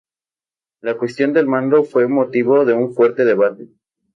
La cuestión del mando fue motivo de un fuerte debate.